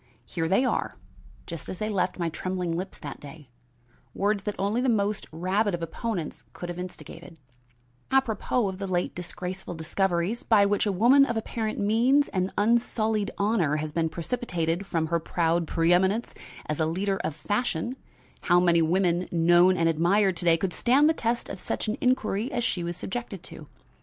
Here they are, just as they left my trembling lips that day words that only the most rabid of opponents could have instigated: Apropos of the late disgraceful discoveries, by which a woman of apparent means and unsullied honor has been precipitated from her proud preeminence as a leader of fashion, how many women, known and admired to day, could stand the test of such an inquiry as she was subjected to?